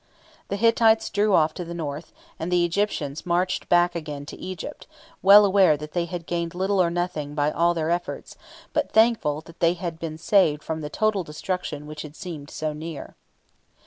The Hittites drew off to the north, and the Egyptians marched back again to Egypt, well aware that they had gained little or nothing by all their efforts, but thankful that they had been saved from the total destruction which had seemed so near.